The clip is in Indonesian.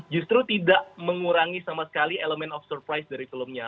justru tidak mengurangi sama sekali elemen of surprise dari filmnya